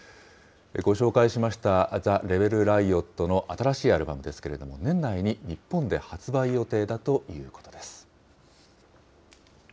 ご紹介しました、ＴＨＥＲＥＢＥＬＲＩＯＴの新しいアルバムですけれども、年内に日本で発売予定だということです。